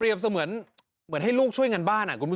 เหมือนให้ลูกช่วยงานบ้าน